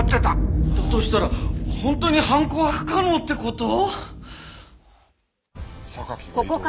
だとしたら本当に犯行は不可能って事！？